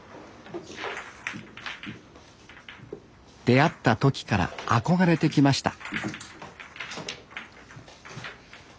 出会った時から憧れてきました